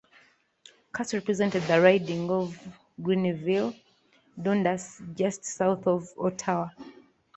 Cass represented the riding of Grenville-Dundas just south of Ottawa.